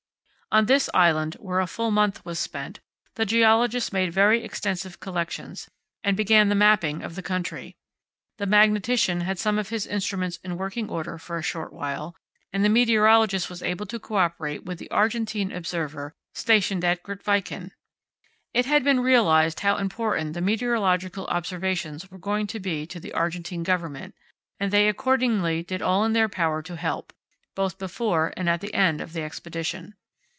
On this island, where a full month was spent, the geologist made very extensive collections, and began the mapping of the country; the magnetician had some of his instruments in working order for a short while; and the meteorologist was able to co operate with the Argentine observer stationed at Grytviken. It had been realized how important the meteorological observations were going to be to the Argentine Government, and they accordingly did all in their power to help, both before and at the end of the Expedition.